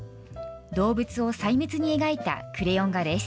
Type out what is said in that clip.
動物を細密に描いたクレヨン画です。